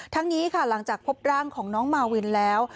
ทั้งนี้ค่ะหลังจากพบร่างของน้องมาวินแล้ว